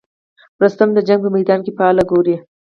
رستم د جنګ په میدان کې فال ګوري.